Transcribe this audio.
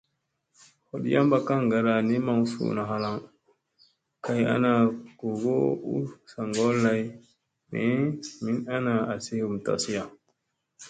Hoɗ yamɓa kaŋgada ni maŋ suuna halaŋ, kay ana googo u saa ŋgol lay ni, min ana asi hum tasia.